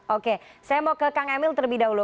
oke saya mau ke kang emil terlebih dahulu